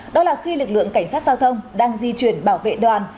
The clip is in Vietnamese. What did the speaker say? đó là khi lực lượng cảnh sát giao thông đang di chuyển bảo vệ đoàn